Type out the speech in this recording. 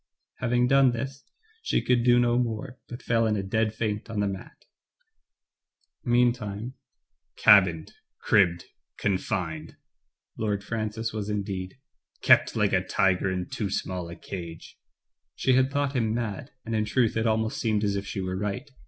Having done this, she could do no more, but fell in a dead faint on the mat. Meantime, "cabined, cribbed, confined," Lord Digitized by Google JEAN MIDDLEMASS, 213 Francis was indeed ' 'kept like a tiger in too small a cage. She had thought him mad, and in truth it almost seemed as if she were right.